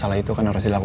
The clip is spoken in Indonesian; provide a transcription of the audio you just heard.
jadi kamu nikah sama aku